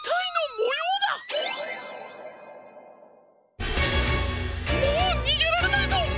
もうにげられないぞ！